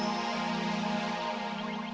sampai jumpa di tv